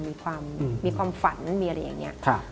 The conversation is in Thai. มีความฝันมีอะไรอย่างนี้